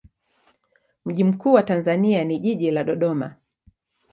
Mji mkuu wa Tanzania ni jiji la Dodoma.